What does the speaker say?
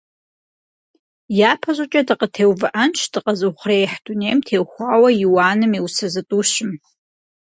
ЯпэщӀыкӀэ дыкъытеувыӀэнщ дыкъэзыухъуреихь дунейм теухуауэ Иуаным и усэ зытӀущым.